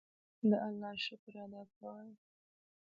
د الله شکر ادا کول